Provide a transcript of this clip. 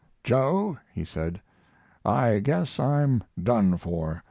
"Joe," he said, "I guess I'm done for.